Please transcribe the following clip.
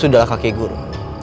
sudahlah kakek guru